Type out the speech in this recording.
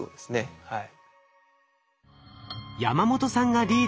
はい。